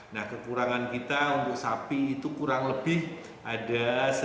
nah kekurangan kita untuk sapi itu kurang lebih ada satu lima ratus empat puluh tujuh